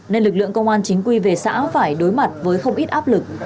nên lực lượng công an chính quy về xã phải đối mặt với không ít áp lực